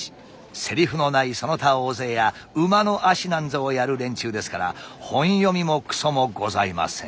セリフのないその他大勢や馬の足なんぞをやる連中ですから本読みもクソもございません。